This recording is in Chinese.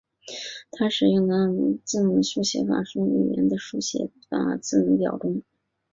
它使用在阿布哈兹字母书写法等之语言的书写法字母表中。